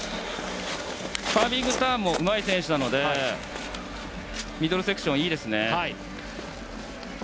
カービングターンもうまい選手なのでミドルセクション、いいですね。